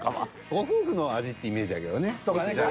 ご夫婦の味ってイメージやけどね。とかね